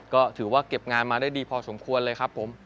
ก็ถือว่าเก็บงานมาได้ดีพอสมควรเลยครับผม